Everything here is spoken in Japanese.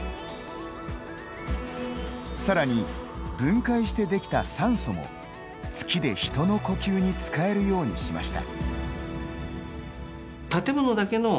さらに、分解してできた酸素も月で人の呼吸に使えるようにしました。